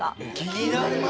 気になるよ。